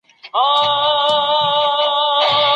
که علم وي نو اعتبار وي.